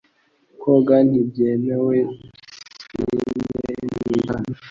Koga ntibyemewe pisine ntiri hano .